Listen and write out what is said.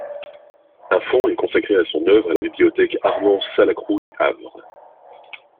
Un fonds est consacré à son œuvre à la bibliothèque Armand Salacrou du Havre.